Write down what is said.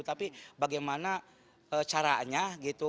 tapi bagaimana caranya gitu